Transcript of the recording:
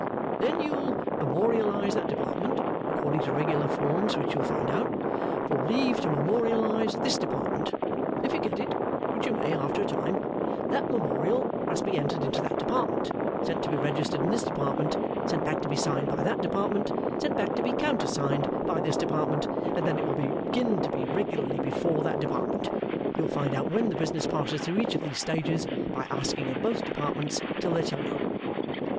Then you'll memorialise that Department (according to regular forms which you'll find out) for leave to memorialise this Department. If you get it (which you may after a time), that memorial must be entered in that Department, sent to be registered in this Department, sent back to be signed by that Department, sent back to be countersigned by this Department, and then it will begin to be regularly before that Department. You'll find out when the business passes through each of these stages by asking at both Departments till they tell you.